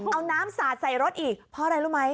เอาน้ำสาดใส่รถอีกเพราะอะไรรู้ไหม